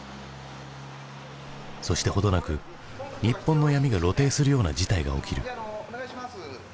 そして程なく日本の闇が露呈するような事態が起きる。